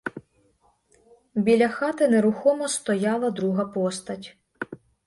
Біля хати нерухомо стояла друга постать.